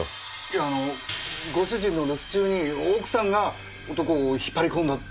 いやあのご主人の留守中に奥さんが男を引っ張り込んだって事ですか？